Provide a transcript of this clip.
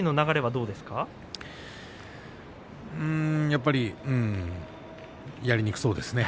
やはりやりにくそうですね